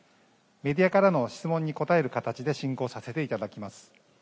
メディアからの質問に答える形で進行させていただきます。